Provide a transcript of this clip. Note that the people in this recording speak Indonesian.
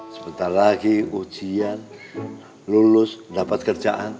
sebentar lagi ujian lulus dapat kerjaan